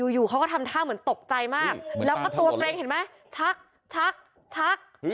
อยู่เขาก็ทำท่าเหมือนตกใจมากแล้วก็ตัวเกร็งเห็นไหมชักชักชัก